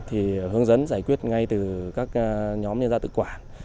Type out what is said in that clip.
thì hướng dẫn giải quyết ngay từ các nhóm liên gia tự quản